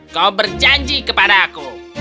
kau berjanji kepadaku